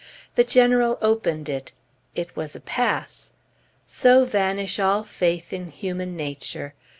The General opened it. It was a pass! So vanish all faith in human nature!